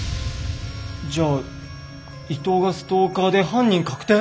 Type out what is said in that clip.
じゃあ伊藤がストーカーで犯人確定？